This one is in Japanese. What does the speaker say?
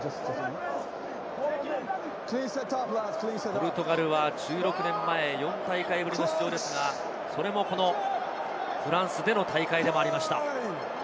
ポルトガルは１６年前４大会ぶりの出場ですが、それもこのフランスでの大会でもありました。